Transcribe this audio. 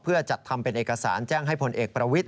เพื่อจัดทำเป็นเอกสารแจ้งให้พลเอกประวิทธ